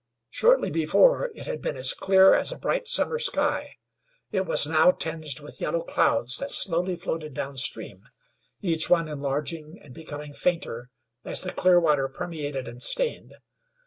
Shortly before, it had been as clear as a bright summer sky; it was now tinged with yellow clouds that slowly floated downstream, each one enlarging and becoming fainter as the clear water permeated and stained.